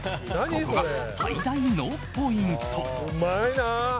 ここが最大のポイント。